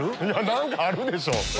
何かあるでしょ。